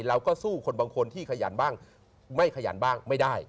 เราก็สู้คนบางคนที่ขยันบ้างไม่ขยันบ้างไม่ได้